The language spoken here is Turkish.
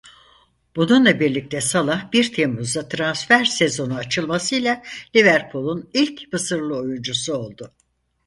Bununla birlikte Salah bir Temmuzda transfer sezonu açılmasıyla Liverpool'un ilk Mısırlı oyuncusu oldu.